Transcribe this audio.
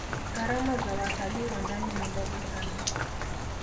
gharama za watalii wa ndani ni ndogo sana